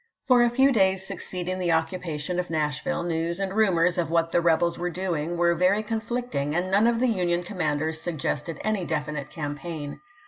For a few days succeeding the occupation of Nashville news and rumors of what the rebels were doing were very conflicting, and none of the Union commanders suggested any definite campaign.